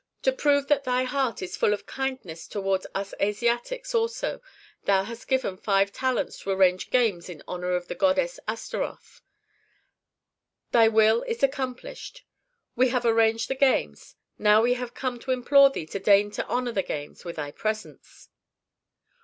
to prove that thy heart is full of kindness toward us Asiatics also, thou hast given five talents to arrange games in honor of the goddess Astaroth. Thy will is accomplished; we have arranged the games, now we have come to implore thee to deign to honor the games with thy presence."